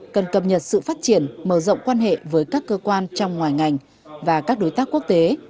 cần cập nhật sự phát triển mở rộng quan hệ với các cơ quan trong ngoài ngành và các đối tác quốc tế